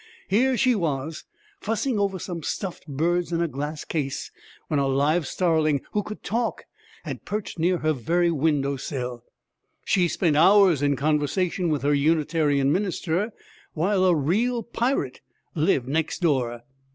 Here she was, fussing over some stuffed birds in a glass case, when a live starling, who could talk, had perched near her very window sill! She spent hours in conversation with her Unitarian minister, while a real pirate lived next door!